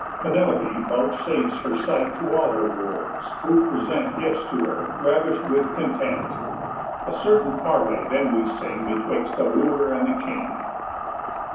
Penelope vouchsafes her sight To all her Wooers; who present Gifts to her, ravish'd with content. A certain parlé then we sing. Betwixt a Wooer and the King.